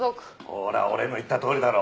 ほら俺の言ったとおりだろ。